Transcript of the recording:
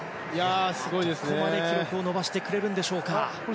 どこまで記録を伸ばしてくれるんでしょうか。